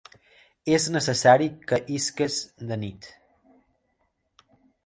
És necessari que isques de nit.